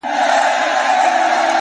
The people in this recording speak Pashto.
يا الله تې راته ژوندۍ ولره،